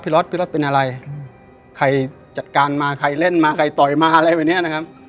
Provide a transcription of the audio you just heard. รถพี่รถเป็นอะไรใครจัดการมาใครเล่นมาใครต่อยมาอะไรแบบเนี้ยนะครับ